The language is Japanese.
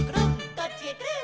「どっちへくるん」